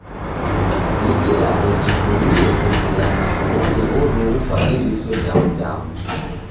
Ni ilagho jikurie kuzighana kuw'one w'oruw'u kwa iriso ja m'damu.